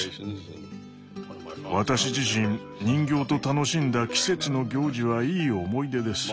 私自身人形と楽しんだ季節の行事はいい思い出です。